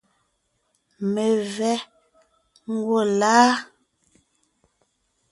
Mevɛ́ gwɔ́ láa?